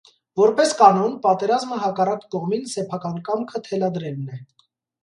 Որպես կանոն, պատերազմը հակառակ կողմին սեփական կամքը թելադրելն է։